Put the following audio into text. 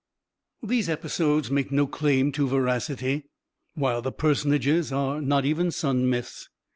"_ _These episodes make no claim to veracity, while the personages are not even sun myths.